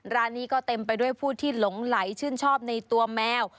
ร้านนี้ก็เต็มไปด้วยผู้ที่หลงไหลชื่นชอบในตัวแมว